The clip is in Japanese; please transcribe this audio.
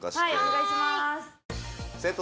お願いします。